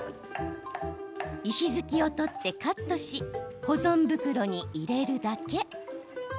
石突きを取ってカットし保存袋に入れるだけ。